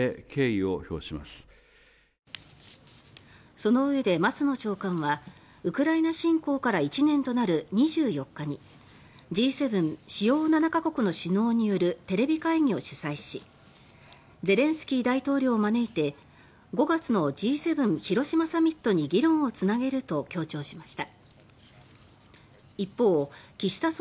そのうえで松野長官はウクライナ侵攻から１年となる２４日にＧ７・主要７か国の首脳によるテレビ会議を主催しゼレンスキー大統領を招いて５月のＧ７広島サミットに議論をつなげると強調しました。